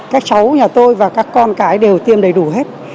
các cháu nhà tôi và các con cái đều tiêm đầy đủ hết